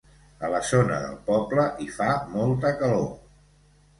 A la zona del poble hi fa molta calor.